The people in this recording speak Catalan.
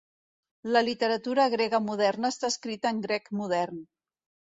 La literatura grega moderna està escrita en grec modern.